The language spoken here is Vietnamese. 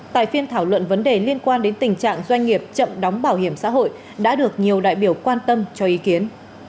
tại phiên thảo luận vấn đề liên quan đến tình trạng doanh nghiệp chậm đóng bảo hiểm xã hội đã được nhiều đại biểu quan tâm cho ý kiến